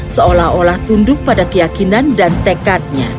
seolah olah tunduk pada keyakinan dan tekadnya